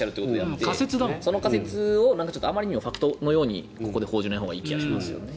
その仮説をあまりにもファクトのようにここで報じないほうがいいと思います。